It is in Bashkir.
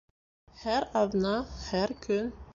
Һәр аҙна, һәр көн